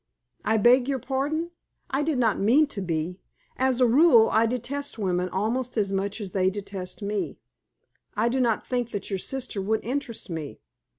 "I beg your pardon. I did not mean to be. As a rule I detest women almost as much as they detest me. I do not think that your sister would interest me."